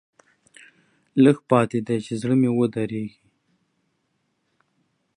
لېږ پاتې دي چې زړه مې ودري.